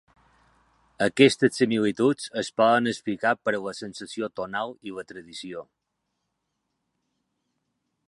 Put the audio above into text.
Aquestes similituds es poden explicar per la sensació tonal i la tradició.